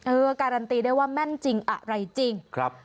เออการันตีได้ว่าแม่นจริงอะไรจริงครับ